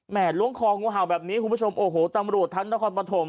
แหม่ล้วงคลองห่วงห่าวแบบนี้คุณผู้ชมโอ้โหตำรวจทางนครปฐม